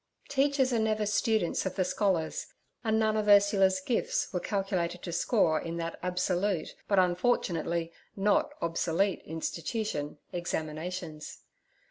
Teachers are never students of the scholars, and none of Ursula's gifts were calculated to score in that absolute, but unfortunately not obsolete institution, examinations.